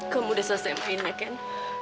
kamu udah selesai mainnya kan